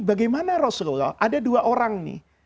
bagaimana rasulullah ada dua orang nih